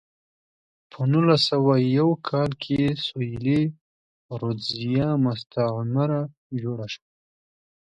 په نولس سوه یو کال کې سویلي رودزیا مستعمره جوړه شوه.